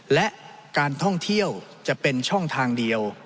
และการท่องเที่ยวจะเป็นช่องทางเดียว